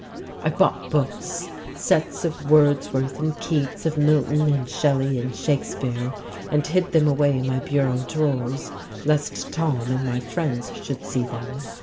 I bought books, sets of Wordsworth and Keats, of Milton and Shelley and Shakespeare, and hid them away in my bureau drawers lest Tom and my friends should see them.